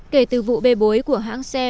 kể từ vụ bê bối của hãng xe